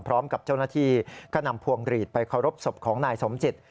พร้อมกับเจ้าหน้าที่ก็นำพวงหลีดไปเคารพศพของนายสมจิต